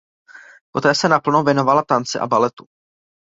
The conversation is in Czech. Poté se naplno věnovala tanci a baletu.